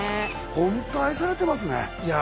ホント愛されてますねいや